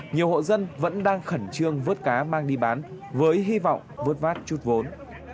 nhiều hộ dân vẫn đang khẩn trương vớt cá mang đi bán với hy vọng vớt vát chút vốn